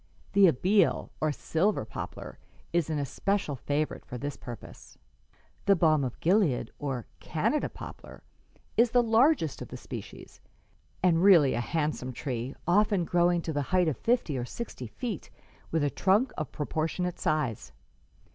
The Abele, or silver poplar, is an especial favorite for this purpose. "The balm of Gilead, or Canada poplar, is the largest of the species, and really a handsome tree, often growing to the height of fifty or sixty feet, with a trunk of proportionate size.